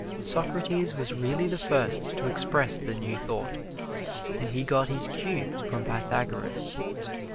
Socrates was really the first to express the New Thought, and he got his cue from Pythagoras.